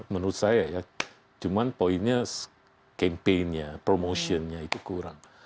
menurut saya ya cuma poinnya campaign nya promotion nya itu kurang